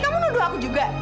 kamu nuduh aku juga